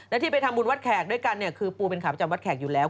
และที่ไปทำบุญวัดแขกด้วยกันเนี่ยคือปูเป็นขาประจำวัดแขกอยู่แล้ว